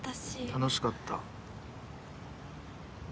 楽しかった。